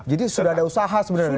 jadi sudah ada usaha sebenarnya